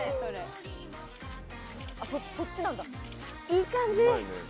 いい感じ！